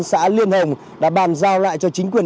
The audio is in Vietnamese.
xã liên hồng đã bàn giao lại cho chính quyền